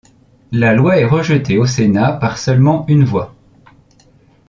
La loi est rejetée au Sénat par seulement une voix.